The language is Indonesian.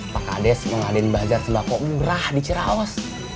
pak kades mengadil bazar sembako umrah di ciraus